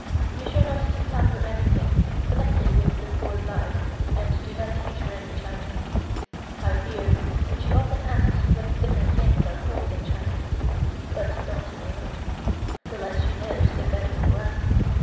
Be sure not to tell her anything connected with the Court life and do not teach her any Chinese. I hear that she often asks what different things are called in Chinese, but don't tell her. The less she knows the better for us.